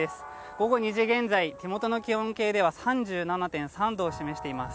午後２時現在、手元の気温計では３７．３度を示しています。